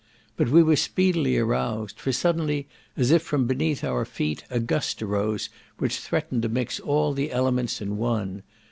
But we were speedily aroused, for suddenly, as if from beneath our feet, a gust arose which threatened to mix all the elements in one.